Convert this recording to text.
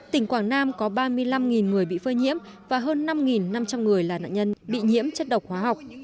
tỉnh quảng nam có ba mươi năm người bị phơi nhiễm và hơn năm năm trăm linh người là nạn nhân bị nhiễm chất độc hóa học